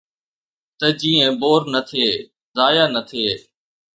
ته جيئن بور نه ٿئي، ضايع نه ٿئي.